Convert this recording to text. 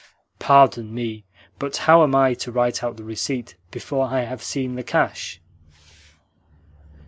"Pardon me, but how am I to write out the receipt before I have seen the cash?"